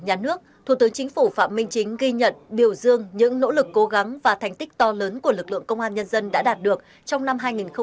nhà nước thủ tướng chính phủ phạm minh chính ghi nhận biểu dương những nỗ lực cố gắng và thành tích to lớn của lực lượng công an nhân dân đã đạt được trong năm hai nghìn hai mươi ba